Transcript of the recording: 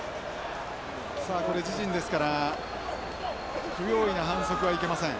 さあこれ自陣ですから不用意な反則はいけません。